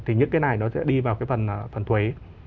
thì những cái này nó sẽ đi vào cái phần thuế